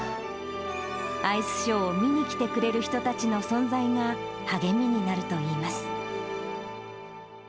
アイスショーを見に来てくれる人たちの存在が、励みになるといいます。